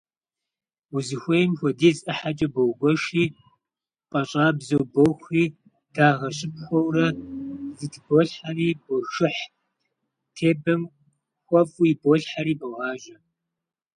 Узыхуейм хуэдиз ӏыхьэкӏэ боугуэшри пӏащӏабзэу бохури, дагъэ щыпхуэурэ зэтыболхьэри бошыхь, тебэм хуэфӏу иболъхьэри богъажьэ.